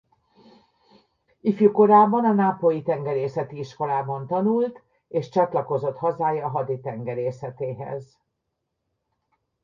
Ifjúkorában a nápolyi tengerészeti iskolában tanult és csatlakozott hazája haditengerészetéhez.